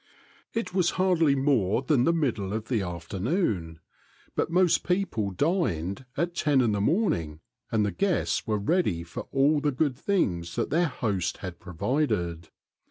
It was hardly more than the middle of the afternoon, but most people dined at ten in the morn ing, and the guests were ready for all the good things that their host had provided.